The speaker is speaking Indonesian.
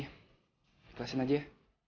di kelasin aja ya